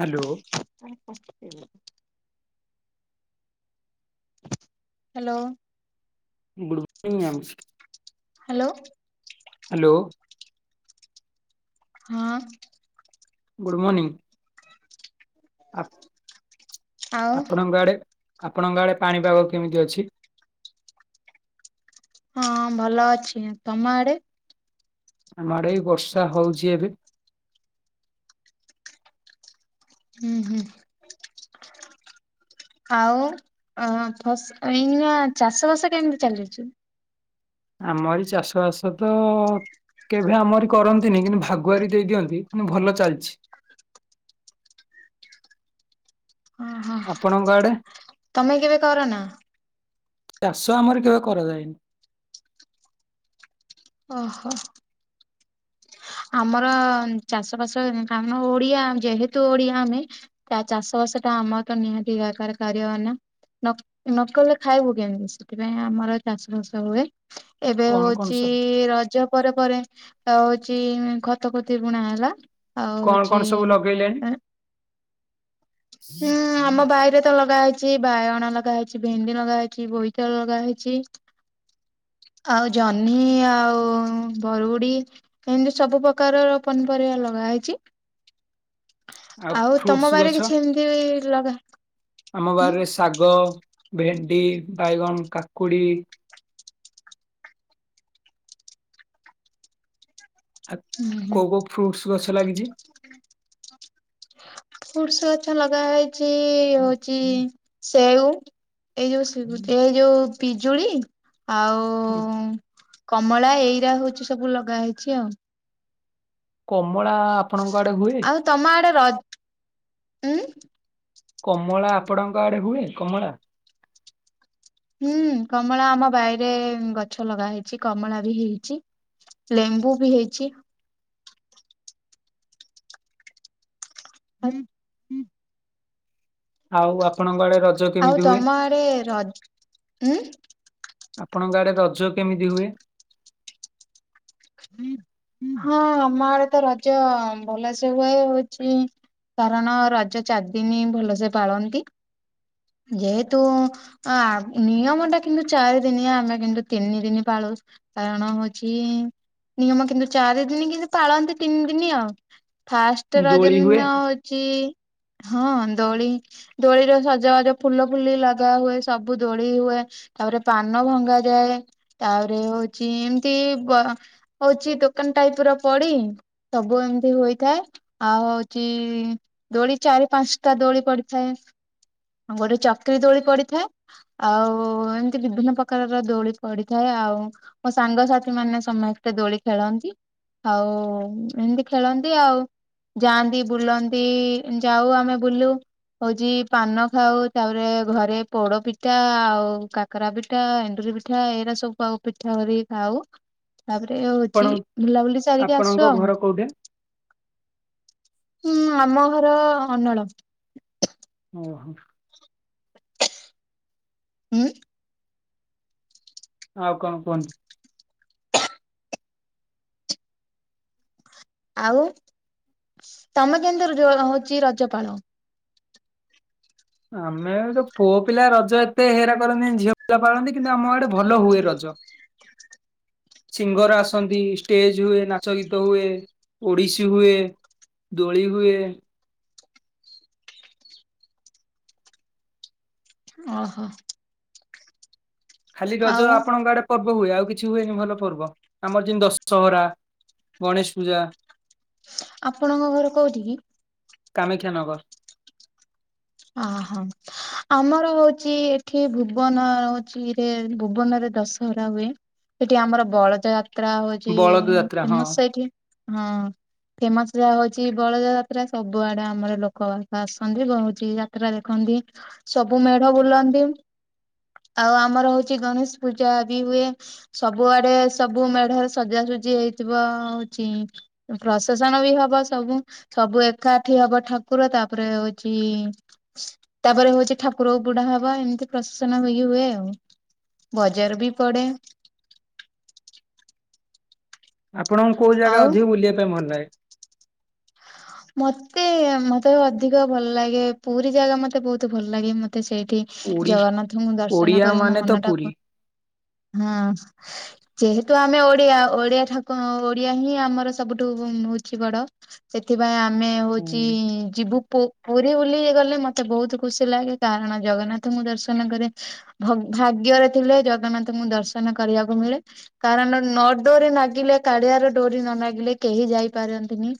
Hello ତାକୁ କଷ୍ଟ ଦେଇଦେଉଛୁ ହ୍ୟାଲୋ ଗୁଡ଼୍ ମର୍ନିଂ ଆଉଛି ହ୍ୟାଲୋ ହ୍ୟାଲୋ ହଁ ଗୁଡ଼୍ ମନିଙ୍ଗି ଆ ଆଉ ଆପଣଙ୍କ ଆଡ଼େ ଆପଣଙ୍କ ଆଡ଼େ ପାଣିପାଗ କେମିତି ଅଛି ହଁ ଭଲ ଅଛି ତମ ଆଡ଼େ ଆମ ଆଡ଼େ ବର୍ଷା ହେଉଛି ଏବେ ହୁଁ ହୁଁ ଆଉ ଏଇ ଚାଷ ବାସ କେମିତି ଚାଲିଛି ଆମରି ଚାଷ ବାସ ତ କେବେ ଆମରି କରନ୍ତିନି କିନ୍ତୁ ଭାଗୁଆରୀ ଦେଇ ଦିଅନ୍ତି କିନ୍ତୁ ଭଲ ଚାଲିଛି ଓହୋ ଆପଣଙ୍କ ଆଡ଼େ ତମେ କେବେ କର ନା ଚାଷ ଆମର କେବେ କରାଯାଏନି ଓହୋ ଆମର ଚାଷ ବାସ କାରଣ ଓଡ଼ିଆ ଯେହେତୁ ଓଡ଼ିଆ ଆମେ ତା ଚାଷ ବାସ ଟା ଆମର ତ ନିହାତି ଦରକାର କରିବା ନା ନକଲେ ଖାଇବୁ କେମିତି ସେଥିପାଇଁ ଆମର ଚାଷ ବାସ ହୁଏ ଏବେ କଣ କଣ ହେଉଛି ସବୁ ରଜ ପରେ ପରେ ଆଉ ହଉଛି ଖତ ଖତି ବୁଣା ହେଲା ଆଉ କଣ ହଉଛି କଣ ସବୁ ଉଁ ହୁଁ ଆମ ବାଇରେ ତ ଲଗା ହେଇଛି ବାଇଗଣ ଲଗା ହେଇଛି ଭେଣ୍ଡି ଲଗାହେଇଛି ବୋଇତାଳୁ ଲଗା ହେଇଛି ଆଉ ଜହ୍ନି ଆଉ ବରୁଗୁଡି ଏମିତି ସବୁ ପ୍ରକାରର ପନିପରିବା ଲଗା ହେଇଛି ଆଉ ଫ୍ରୁଟସ୍ ତମ ଗଛ ବାରିରେ କିଛି ଏମତି ଲଗା ଆମ ହୁଁ ବାରିରେ ଶାଗ ଭେଣ୍ଡି ବାଇଗଣ କାକୁଡି ହୁଁ କୋଉ ହୁଁ କୋଉ ଫ୍ରୁଟସ୍ ଗଛ ଲାଗିଛି? ଫୁସୁ ଗଛ ଲଗା ହେଇଛି ହଉଚି ସେଉ ଏଇ ଯୋଉ ଏ ଯୋଉ ପିଜୁଳି ଆଉ ହୁଁ ହୁ କମଳା ଏଇରା ହଉଛି ସବୁ ଲଗା ହେଇଛି ଆଉ କମଳା ଆପଣଙ୍କ ଆଡ଼େ ହୁଏ ଆଉ ତମ ଆଡ଼େ ରଜ ଉଁ କମଳା ଆପଣଙ୍କ ଆଡେ ହୁଏ କମଳା? ହୁଁ କମଳା ଆମ ବାଇରେ ଗଛ ଲଗା ହେଇଛି କମଳା ବି ହେଇଛି ଲେମ୍ବୁ ବି ହେଇଛି ହୁଁ ଆଉ ଆପଣଙ୍କ ଆଡେ ରଜ ଆଉ କେମିତି ହୁଏ? ତମ ଆଡେ ରଜ ଉଁ ଆପଣଙ୍କ ଆଡେ ରଜ କେମିତି ହୁଏ? ହଁ ଆମ ଆଡେ ତ ରଜ ଭଲସେ ହୁଏ ହଉଛି କାରଣ ରଜ ଚାରିଦିନ ଭଲସେ ପାଳନ୍ତି ଯେହେତୁ ଆ ନିୟମ ଟା କିନ୍ତୁ ଚାରି ଦିନ ଆମେ କିନ୍ତୁ ତିନି ଦିନି ପାଳୁୁ କାରଣ ହଉଛି ନିୟମ କିନ୍ତୁ ଚାରି ଦିନ କିନ୍ତ ପାଳନ୍ତି ତିନି ଦିନ ଆଉ ଫାଷ୍ଟ ଦୋଳି ରଜନ ହୁଏ ଦିନ ହଉଛି ହଁ ଦୋଳି ଦୋଳିର ସଜବାଜ ଫୁଲ ଫୁଲି ଲଗା ହୁଏ ସବୁ ଦୋଳି ହୁଏ ତାପରେ ପାନ ଭଙ୍ଗା ଯାଏ ତାପରେ ହଉଛି ଏମିତି ବ ହଉଛି ଦୋକାନ ଟାଇପ ର ପଡି ସବୁ ଏମିତି ହୋଇଥାଏ। ଆଉ ହଉଛି ଦୋଳି ଚାରି ପାଞ୍ଚଟା ଦୋଳି ପଡିଥାଏ। ଆଉ ଗୋଟେ ଚକ୍ରି ଦୋଳି ପଡିଥାଏ। ଆଉ ଏମିତି ବିଭିନ୍ନ ପ୍ରକାରର ଦୋଳି ପଡିଥାଏ ଆଉ। ମୋ ସାଙ୍ଗସାଥି ମାନେ ସମସ୍ତେ ଦୋଳି ଖେଳନ୍ତି। ହଉ ଏମିତି ଖେଳନ୍ତି ଆଉ। ଯାଆନ୍ତି ବୁଲନ୍ତି ଯାଉ ଆମେ ବୁଲୁ ହଉଛି ପାନ ଖାଉ ତାପରେ ଘରେ ପୋଡ ପିଠା ଆଉ କାକରା ପିଠା ଏଣ୍ଡୁରି ପିଠା ଏଇରା ସବୁ ଖାଉ। ପିଠା କରିକି ଖାଉ ତାପରେ ଆପଣ ହଉଛି ବୁଲାବୁଲି ସାରିକି ଆପଣଙ୍କ ଆସୁ ଆଉ। ଘର କୋଉଠି? ହୁଁ ଆମ ଘର ଅନଳ। ଓହୋ। ହୁଁ। ଆଉ କଣ କୁହନ୍ତୁ? ଆଉ ତମେ କେମି ର ହଉଛି ରଜପାଳ? ଆମେ ତ ପୁଅ ପିଲା ରଜ ଏତେ ହେରା କରନ୍ତି ଝିଅ ପିଲା ପାଳନ୍ତି କିନ୍ତୁ ଆମ ଆଡେ ଭଲ ହୁଏ ରଜ। ସିଙ୍ଗର ଆସନ୍ତି ଷ୍ଟେଜ ହୁଏ ନାଚ ଗୀତ ହୁଏ। ଓଡିଶୀ ହୁଏ ଦୋଳି ହୁଏ। ଓହୋ। ଖାଲି ରଜ ଆଉ ଆପଣଙ୍କ ଆଡେ ପର୍ବ ହୁଏ ଆଉ କିଛି ହୁଏନି ଭଲ ପର୍ବ ଆମର ଯେମିତି ଦଶହରା। ଗଣେଶ ପୂଜା। ଆପଣଙ୍କ ଘର କୋଉଠି କି? କାମାକ୍ଷାନଗର। ହ ହଁ। ଆମର ହଉଛି ଏଠି ଭୁବନ ହଉଛିରେ ଭୁବନରେ ଦଶହରା ହୁଏ। ସେଠି ଆମର ବଳଦ ଯାତ୍ରା ହଉଛି ବଳଦ ଯାତ୍ରା ହଁ ଫେମସ ଏଠି ହଁ। ଫେମସ ଯାହା ହଉଛି ବଳ ଯାତ୍ରା ସବୁଆଡେ ଆମର ଲୋକ ବାକ ଆସନ୍ତି ବହୁ। ଯାତ୍ରା ଦେଖନ୍ତି ସବୁ ମେଢ ବୁଲନ୍ତି। ଆଉ ଆମର ହଉଛି ଗଣେଶ ପୂଜା ବି ହୁଏ। ସବୁଆଡେ ସବୁ ମେଢରେ ସଜାସଜି ହେଇଥିବ ହଉଚି। ପ୍ରଶାସନ ବି ହବ ସବୁ ସବୁ ଏକାଠି ହବ ଠାକୁର ତାପରେ ହଉଛି। ତାପରେ ହଉଛି ଠାକୁର ବୁଢା ହବା ଏମିତି ପ୍ରଶସନ ହେଇକି ହୁଏ ଆଉ। ବଜାର ବି ପଡେ। ଆପଣଙ୍କୁ କୋଉ ଜାଗା ଆଉ ଅଧିକ ବୁଲିବା ପାଇଁ ଭଲ ଲାଗେ? ମତେ ମତେ ଅଧିକ ଭଲ ଲାଗେ ପୁରୀ ଜାଗା ମତେ ବହୁତ ଭଲ ଲାଗେ ମତେ ସେଇଠି ଓଡି ଜଗନ୍ନାଥଙ୍କୁ ଦର୍ଶନ ଓଡିଆ କରି ମୋ ମାନେ ତ ମନ ପୁରୀ। ଟାକୁ ହଁ। ଯେହେତୁ ଆମେ ଓଡିଆ ଓଡିଆ ଠାକୁ ଓଡିଆ ହିଁ ଆମର ସବୁଠୁ ହଉଛି ବଡ। ସେଥିପାଇଁ ଆମେ ହୁଁ। ହଉଚି ଯିବୁ ପୁରୀ ବୁଲି ଗଲେ ମତେ ବହୁତ ଖୁସି ଲାଗେ କାରଣ ଜଗନ୍ନାଥଙ୍କୁ ଦର୍ଶନ କରେ। ଭାଗ୍ୟରେ ଥିଲେ ଜଗନ୍ନାଥଙ୍କୁ ଦର୍ଶନ କରିବାକୁ ମିଳେ। କାରଣ ନ ଡୋରି ନାଗିଲେ କାଳିଆର ଡୋରି ନ ନାଗିଲେ କେହି ଯାଇପାରନ୍ତିନି।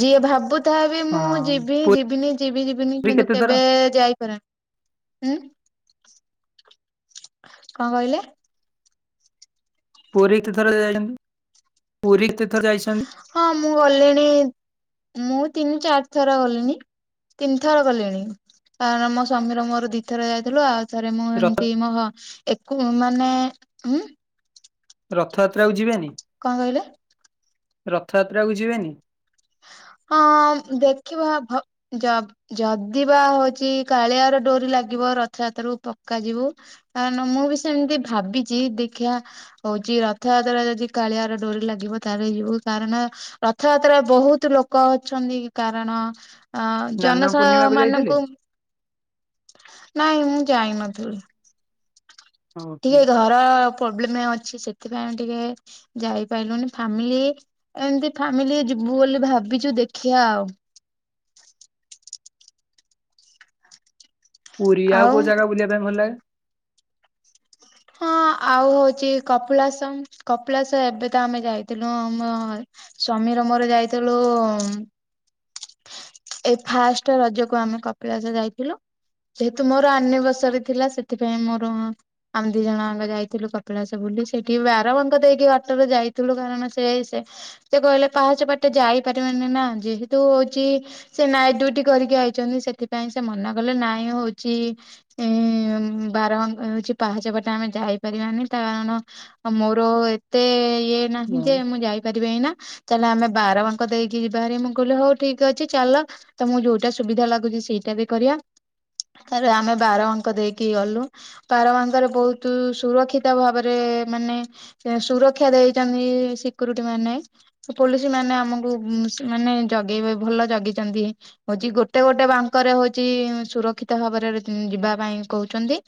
ଯିଏ ଭାବୁ ତାହା ବି ମୁଁ ହଁ ଯିବି ଯିବିନି ଯିବି ଯିବିନି ପୁରୀ କିନ୍ତୁ କେତେ ଥର କେବେ ଯାଇପାରନି। ଉଁ। କଣ କହିଲେ? ପୁରୀ କେତେଥର ଯାଇ ପୁରୀ କେତେଥର ଯାଇଛନ୍ତି? ହଁ ମୁଁ ଗଲିଣି ମୁଁ ତିନି ଚାରି ଥର ଗଲିଣି। ତିନି ଥର ଗଲେଣି କାରଣ ମୋ ସ୍ବାମୀର ମୋର ଦିଥର ଯାଇଥିଲୁ ଆଉ ଥରେ ମୁଁ ରଥ ଏମିତି ମୋ ରକୁ ମାନେ ହୁଁ? ରଥଯାତ୍ରା କୁ ଯିବେନି? କଣ କହିଲେ? ରଥଯାତ୍ରା କୁ ଯିବେନି? ହଁ ଦେଖିବା ଭ ଯ ଯଦିିବା ହଉଚି କାଳିଆର ଡୋରି ଲାଗିବ ରଥଯାତ୍ରା କୁ ପକ୍କା ଯିବୁ। ଆନ ମୁଁ ବି ସେମିତି ଭାବିଛି ଦେଖିଆ ହଉଚି ରଥଯାତ୍ରା ଯଦି କାଳିଆର ଡୋରି ଲାଗିବ ତାହେଲେ ଯିବୁ କାରଣ ରଥଯାତ୍ରା ବହୁତ୍ ତୁ ଲୋକ ଅଛନ୍ତି କାରଣ ଆଁ ସ୍ନାନ ଜନସ ପୂର୍ଣ୍ଣିମାକୁ ଯାଇଥିଲେ? ମାନଙ୍କୁ ନାଇଁ ମୁଁ ଯାଇ ନଥିଲି। ହଁ ଟିକେ ଭାଇ। ଘର ପ୍ରୋବ୍ଲେମେ ଅଛି ସେଥିପାଇଁ ଆମ ଟିକେ ଯାଇପାରିଲୁନି ଫାମିଲି ଏମିତି ଫ୍ୟାମିଲି ଯିବୁ ବୋଲି ଭାବିଚୁ ଦେଖିଆ ଆଉ। ପୁରୀ ଆଉ କୋଉ ଜାଗା ବୁଲିଆ ପାଇଁ ଭଲ ଲାଗେ? ହଁ ଆଉ ହଉଛି କପିଳାସମ କପିଳାସ ଏବେ ତ ଆମେ ଯାଇଥିଲୁ ଆମ ସ୍ଵାମୀ ର ମୋର ଯାଇଥିଲୁ ଉଁମ ଏଇ ଫାଷ୍ଟ ରଜକୁ ଆମେ କପିଳାସ ଯାଇଥିଲୁ। ଯେହେତୁ ମୋର ଅନିବସରି ଥିଲା ସେଥିପାଇଁ ମୋର ଆମେ ଦି ଜଣଆଙ୍କ ଆମେ ଯାଇଥିଲୁ କପିଳାସ ବୁଲି ସେଠି ବାରବନ୍ଧ ଦେଇକି ଅଟୋରେ ଯାଇଥିଲୁ କାରଣ ସେ ସେ ସେ କହିଲେ ପାହାଚ ବାଟେ ଯାଇପାରିବାନି ନା ଯେହେତୁ ଚି ସେ ନାଇଟ ଡୁଟି କରିକି ଆଇଛନ୍ତି ସେଥିପାଇଁ ସେ ମନା କଲେ ନାଇଁ ହଉଚି ଉଁ ବାରବାଙ୍କ ହଉଚି ପାହାଚ ପଟେ ଆମେ ଯାଇପାରିବାନି ତାଣ ଆ ମୋର ଏତେ ଇଏ ନାହିଁ ହଁ। ଯେ ମୁଁ ଯାଇପାରିବିି ଏଇନା ଚାଲ ଆମେ ବାରବାଙ୍କ ଦେଇକି ଯିବା ହେରି ମୁଁ କହିଲି ହଉ ଠିକ ଅଛି ଚାଲ ତମକୁ ଯୋଉଟା ସୁବିଧା ଲାଗୁଚି ସେଇଟା ବି କରିଆ। ତାରେ ଆମେ ବାରଅଙ୍କ ଦେଇକି ଗଲୁ। ପାରବାନ୍ଧ ରେ ବହୁତ ସୁରକ୍ଷିତ ଭାବରେ ମାନେ ସୁରକ୍ଷା ଦେଇଚନ୍ତି ସିକ୍ୟୁରିଟି ମାନେ। ସେ ପୋଲିସି ମାନେ ଆମକୁ ମାନେ ଜଗେଇବେ ଭଲ ଜଗିଚନ୍ତି। ହଉଚି ଗୋଟେ ଗୋଟେ ବାଙ୍କରେ ହଉଚି ସୁରକ୍ଷିତ ଭାବରେ ଯିବା ପାଇଁ କହୁଛନ୍ତି।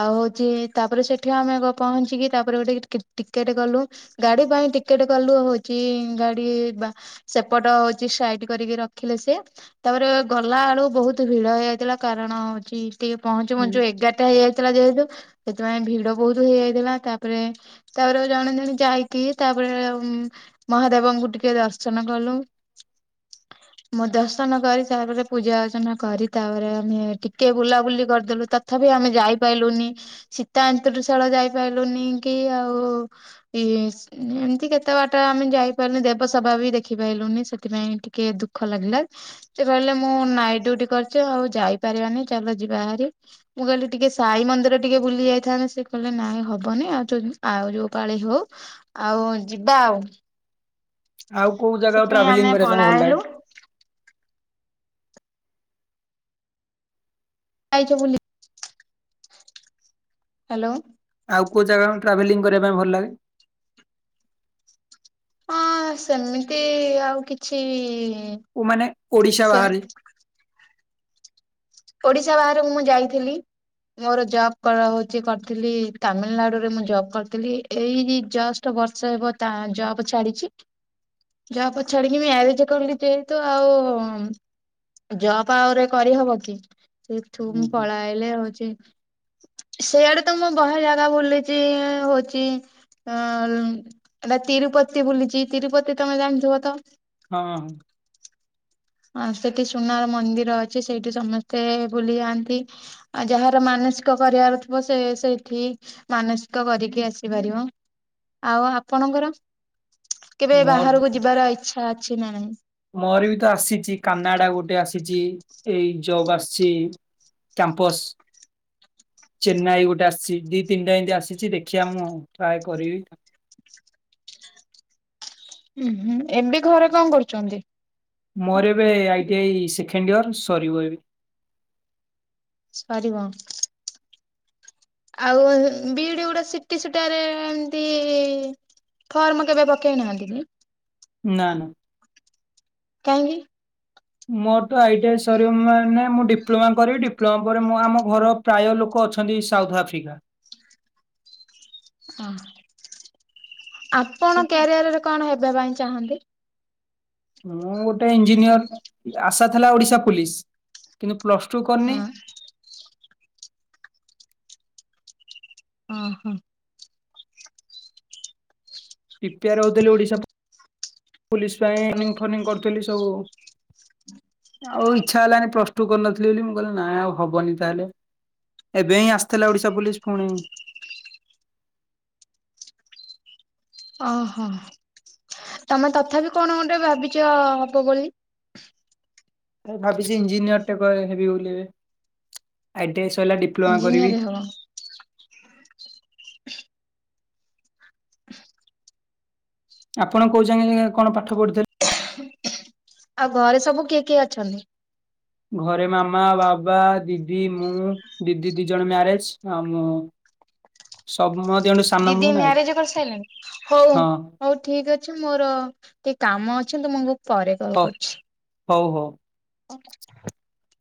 ଆଉ ହଉଚି ତାପରେ ସେଠି ଆମେ ଆଗ ପହଞ୍ଚିକି ତାପରେ ଗୋଟେ କି ଟିକେଟ କଲୁ। ଗାଡି ପାଇଁ ଟିକେଟ କଲୁ ହଉଛି ଗାଡି ବା ସେପଟ ହଉଛି ସାଇଟି କରିକି ରଖିଲେ ସେ ତାପରେ ଗଲା ଆଳୁ ବହୁତ ଭିଡ ହେଇ ଯାଇଥିଲା କାରଣ ହଉଚି ଟିକେ ପହଞ୍ଚୁ ହୁଁ ପହଞ୍ଚୁ ଏଗାରଟା ହେଇଯାଇଥିଲା ଯେହେତୁ ସେଥିପାଇଁ ଭିଡ ବହୁତ ହେଇଯାଇଥିଲା। ତାପରେ ତାପରେ ଜଣେ ଜଣେ ଯାଇକି ତାପରେ ଉଁ ମହାଦେବଙ୍କୁ ଟିକେ ଦର୍ଶନ କଲୁଁ। ମୁଁ ଦର୍ଶନ କରି ତାପରେ ପୂଜା ଅର୍ଚ୍ଚନା କରି ତାପରେ ଆମେ ଟିକେ ବୁଲା ବୁଲି କରିଦେଲୁ ତଥାପି ଆମେ ଯାଇପାରଲୁନି। ସୀତା ଏନ୍ତୁରିସାଳ ଯାଇପାରିଲୁନି କି ଆଉ ଇସ୍ ଏମିତି କେତେ ବାଟ ଆମେ ଯାଇପାରିଲୁନି ଦେବସଭା ବି ଦେଖି ପାଇଲୁନି ସେଥିପାଇଁ ଟି କେ ଦୁଃଖ ଲାଗିଲା। ସେ କହିଲେ ମୁଁ ନାଇଟ୍ ଡିଉଟି କରିଚି ଆଉ ଯାଇପାରିବାନି ଚାଲ ଯିବା ହାରି। ମୁଁ କହିଲି ଟିକେ ସାଇ ମନ୍ଦିର ଟିକେ ବୁଲି ଯାଇଥାନ୍ତେ ସେ କହିଲେ ନାଇଁ ହବନି ଆଉ ଆଉ ଯୋଉ ପାଳି ହଉ ଆଉ ଯିବା ଆଉ। ଆଉ କୋଉ ଜାଗା ସେଥିପାଇଁ ଟ୍ରାଭେଲିଂ ଆମେ କରିବା ପାଇଁ ଭଲ ପଳାଇଲୁ ଲାଗେ? ଯାଇଚ ବୁଲି ହ୍ୟାଲୋ। ଆଉ କୋଉ ଜାଗା ଟ୍ରାଭେଲିଂ କରିବା ପାଇଁ ଭଲ ଲାଗେ? ହଁ ସେମିତି ଆଉ କିଛି ଇ ଇ ଇ କୁ ମାନେ ଓଡିଶା ବାହାରେ ଓଡିଶା ବାହାରକୁ ମୁଁ ଯାଇଥିଲି। ମୋର ଜବ କର ହଉଚି କରିଥିଲି ତାମିଲନାଡୁରେ ମୁଁ ଜବ୍ କରିଥିଲି। ଏଇ ଜଷ୍ଟ [unintelligible] ବର୍ଷ ହେବ ତା ଜବ୍ ଛାଡିଚି। ଜପ ଛାଡିକି ମ୍ୟାରେଜ କଲି ଯେହେତୁ ଆଉ ଜବ୍ ଆହୁରେ କରିହବ କି ସେଠୁ ହୁଁ ମୁଁ ହୁଁ। ପଳାଇଲେ ହଉଚି ସେଇ ଆଡ଼େ ତ ମୁଁ ବହୁତ ଜାଗା ବୁଲିଚି ହଉଚି ଅ ଏ ତିରୁପତି ବୁଲିଚି। ତିରୁପତି ତମେ ଜାଣିଥିବ ତ? ହଁ। ଆ ସେଠି ସୁନାର ମନ୍ଦିର ଅଛି ସେଇଠି ସମସ୍ତେ ଭୁଲି ଯାଆନ୍ତି। ଆଉ ଯାହାର ମାନସିକ କରିବାର ଥିବ ସେ ସେଇଠି ମାନସିକ କରିକି ଆସିପାରିବ। ଆଉ ଆପଣଙ୍କର କେବେ ମୋର ବାହାରକୁ ଯିବାର ଇଚ୍ଛା ଅଛି ନାଁ ନାହିଁ? ମୋର ବି ତ ଆସିଚି କାନାଡ଼ା ଗୋଟେ ଆସିଚି ଏଇ ଜବ ଆସିଚି କ୍ୟାମ୍ପସ୍ ଚେନ୍ନାଇ ଗୋଟେ ଆସିଚି ଦି ତିନିଟା ଏମିତି ଆସିଚି ଦେଖିବା ମୁଁ ଟ୍ରାଏ କରିବି। ହୁଁ ହୁଁ ଏବେ ଘରେ କଣ କରୁଚନ୍ତି? ମୋର ଏବେ ଆଇଟି ଆଇ ସେକେଣ୍ଡ ଇୟର୍ ସରିବ ଏବେ। ସରିବ? ଆଉ ବିଇଡ଼ି ଗୁଡ଼ା ସିଟି ସୁଟାରେ ଏମିତି ଫର୍ମ କେବେ ପକେଇ ନାହାନ୍ତି କି? ନାଁ ନା। କାହିଁକି? ମୋର ତ ଆଇଟି ଆଇ ସରିବ ମାନେ ମୁଁ ଡିପ୍ଲୋମା କରିବି ଡିପ୍ଲୋମା ପରେ ମୁଁ ଆମ ଘର ପ୍ରାୟ ଲୋକ ଅଛନ୍ତି ସାଉଥ ଆଫ୍ରିକା। ଓ ଆପଣ କ୍ୟାରିୟରରେ କଣ ହେବା ପାଇଁ ଚାହାଁନ୍ତି? ମୁଁ ଗୋଟେ ଇଞ୍ଜିନିୟର ଆଶା ଥିଲା ଓଡ଼ିଶା ପୋଲିସ କିନ୍ତୁ ପ୍ଲସ ଟୁ କରିନି। ହଁ ଅଁ ହଁ। ପ୍ରିପ୍ରେୟାର ହୋଉଥିଲି ଓଡ଼ିଶା ପୋଲିସ ପାଇଁ ଟ୍ରେନିଂ ପ୍ରେନିଂ କରୁଥିଲି ସବୁ। ଆଉ ଇଚ୍ଛା ହେଲାନି ପ୍ଲସ୍ ଟୁ କରିନଥିଲି ବୋଲି ମୁଁ କହିଲି ନାଁ ଆଉ ହବନି ତାହେଲେ। ଏବେ ହିଁ ଆସିଥିଲା ଓଡ଼ିଶା ପୋଲିସ ପୁଣି। ଓ ହୋ ତମେ ତଥାପି କଣ ଗୋଟେ ଭାବିଛ ହବ ବୋଲି। ମୁଁ ଭାବିଛି ଇଞ୍ଜିନିୟର ଟେ ବ ହେବି ବୋଲି ଆଇଟି ଆଇ ସରିଲା ଡିପ୍ଲୋ ଇଞ୍ଜିନିୟର ହବ। ଆପଣ କୋଉ ଯାଏଁ କଣ ପାଠ ପଢପଡିଥଲ ଆଉ ଘରେ ସବୁ କିଏ କିଏ ଅଛନ୍ତି? ଘରେ ମାମା ବାବା ଦିଦି ମୁଁ ଦିଦି ଦି ଜଣ ମ୍ୟାରେଜ ଆଉ ମୁଁ ସମ ଦୁଇ ଜଣ ଦିଦି ମ୍ୟାରେଜ କରିସାରିଲେଣି? ହଁ ହୋଉ ଠିକ ଅଛି ମୋର ଟିକେ କାମ ଅଛି ମୁଁ ତୁମକୁ ପରେ କଲ୍ କରୁଛି। ହୋଉ ହୋଉ।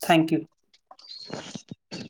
Thank you. [inaudible]